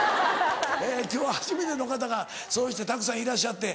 今日初めての方がそうしてたくさんいらっしゃって。